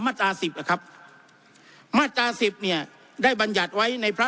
ตราสิบอะครับมาตราสิบเนี่ยได้บรรยัติไว้ในพระ